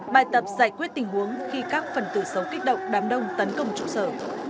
bài tập giải quyết tình huống khi các phần từ xấu kích động đám đông tấn công trụ sở